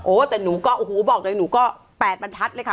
โอ้แต่หนูก็อูหูบอกเลยหนูก็๘บรรทัดเลยค่ะ